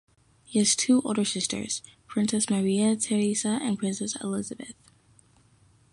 He has two older sisters: Princess Maria Theresia and Princess Elisabeth.